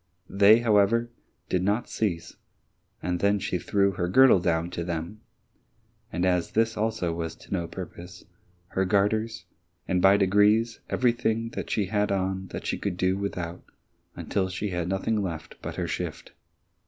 They, however, did not cease, and then she threw her girdle down to them, and as this also was to no purpose, her garters, and by degrees everything that she had on that she could do without until she had nothing left but her shift.